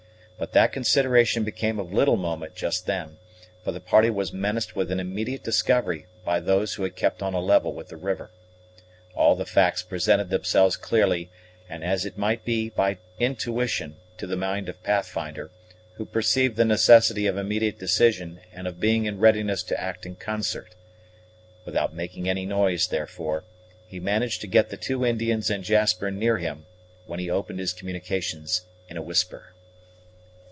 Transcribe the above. But that consideration became of little moment just then; for the party was menaced with an immediate discovery by those who had kept on a level with the river. All the facts presented themselves clearly, and as it might be by intuition, to the mind of Pathfinder, who perceived the necessity of immediate decision and of being in readiness to act in concert. Without making any noise, therefore, he managed to get the two Indians and Jasper near him, when he opened his communications in a whisper.